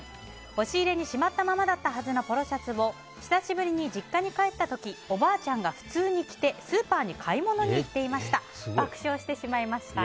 押し入れに閉まったままだったはずのポロシャツを久しぶりに実家に帰った時おばあちゃんが普通に着てスーパーに買い物に行ってしまいました。